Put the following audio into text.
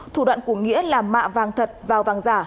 thủ đoạn của nghĩa là mạ vàng thật vào vàng giả